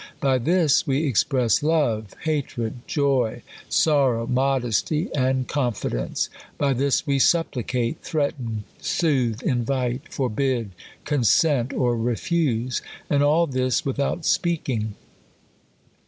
By this we express love, hatred, joy, sorrow, modesty, and con fidence : by this we supplicate, threaten, soothe, invite, forbid, consent, or refuse ; and all this without speaking.